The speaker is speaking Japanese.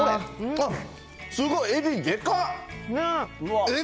あっ、すごい、エビ、でかっ。